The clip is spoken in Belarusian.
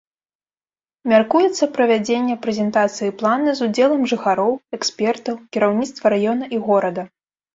Мяркуецца правядзенне прэзентацыі плана з удзелам жыхароў, экспертаў, кіраўніцтва раёна і горада.